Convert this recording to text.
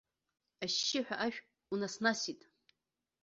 Ашьшьыҳәа ашә унас-насит.